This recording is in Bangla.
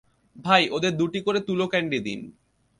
ভাই, ওদের দুটি করে তুলো ক্যান্ডি দিন।